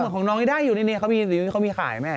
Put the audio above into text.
ของน้องนี่ได้อยู่ด้านนี้เขามีขายไหม